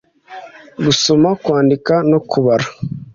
gusoma kwandika no kubara.